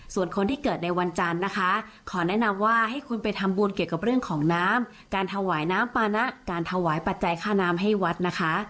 ส่วนคนที่เกิดในวันจันทร์นะคะขอแนะนำว่าให้คุณไปทำบุญเกี่ยวกับเรื่องของน้ำการถวายน้ำปานะการถวายปัจจัยค่าน้ำให้วัดนะคะ